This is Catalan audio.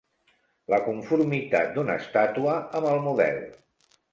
La conformitat d'una estàtua amb el model.